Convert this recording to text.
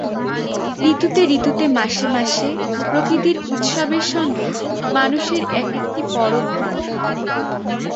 ঋতুতে ঋতুতে মাসে মাসে প্রকৃতির উৎসবের সঙ্গে মানুষের এক-একটি পরব বাঁধা।